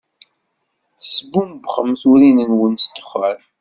Tesbumbxem turin-nwen s ddexxan.